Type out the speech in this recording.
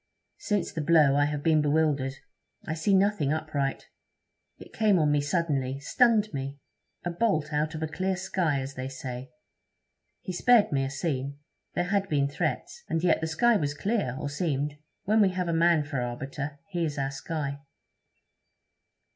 'Since the blow I have been bewildered; I see nothing upright. It came on me suddenly; stunned me. A bolt out of a clear sky, as they say. He spared me a scene: There had been threats, and yet the sky was clear, or seemed. When we have a man for arbiter, he is our sky.'